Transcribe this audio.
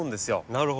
なるほど。